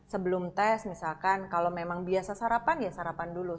sebelum tes misalkan kalau memang biasa sarapan ya sarapan dulu